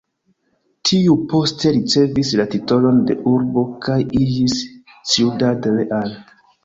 Tiu poste ricevis la titolon de urbo kaj iĝis Ciudad Real.